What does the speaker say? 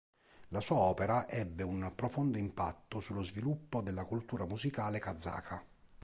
La sua opera ebbe un profondo impatto sullo sviluppo della cultura musicale kazaka.